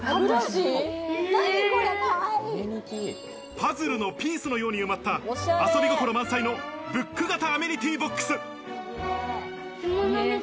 パズルのピースのように埋まった遊び心満載のブック型アメニティーボックス。